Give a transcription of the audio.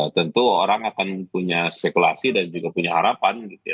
tentu orang akan punya spekulasi dan juga punya harapan